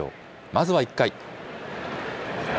まずは１回。